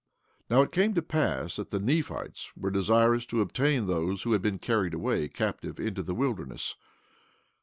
16:4 Now it came to pass that the Nephites were desirous to obtain those who had been carried away captive into the wilderness.